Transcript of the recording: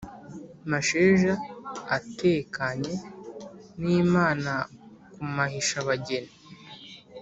Masheja atekanye n’Imana ku Mahisha-bageni.